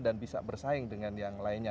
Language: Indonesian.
dan bisa bersaing dengan yang lainnya